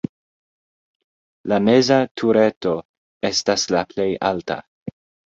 La meza tureto estas la plej alta.